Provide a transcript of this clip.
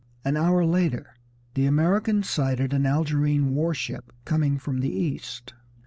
An hour later the Americans sighted an Algerine war ship coming from the east.